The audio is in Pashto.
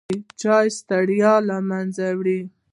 چای ستړیا له منځه وړي.